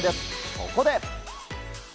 そこで。